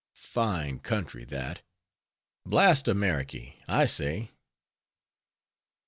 Fine country, that! Blast Ameriky, I say!"